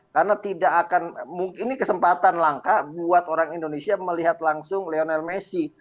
karena tidak akan ini kesempatan langka buat orang indonesia melihat langsung lionel messi